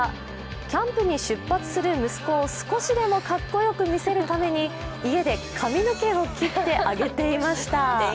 キャンプに出発する息子を少しでもかっこよく見せるために家で髪の毛を切ってあげていました。